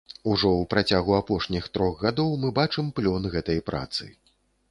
Ужо ў працягу апошніх трох гадоў мы бачым плён гэтай працы.